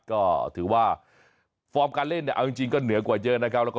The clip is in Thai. ก็ถือว่าฟอร์มการเล่นเนี่ยเอาจริงก็เหนือกว่าเยอะนะครับ